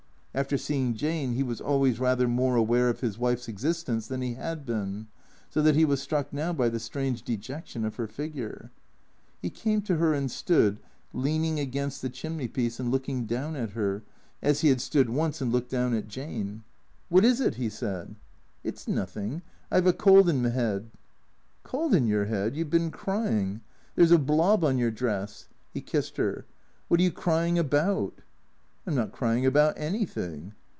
After seeing Jane he was always rather more aware of his wife's existence than he had been, so that he was struck now by the strange dejection of her figure. He came to her and stood, leaning against the chimney piece and looking down at her, as he had stood once and looked down at Jane. " What is it ?" he said. " It 's nothing. I 've a cold in me head." " Cold in your head ! You 've been crying. There 's a blob on your dress." (He kissed her.) "What are you crying about?" " I 'm not cryin' about anything."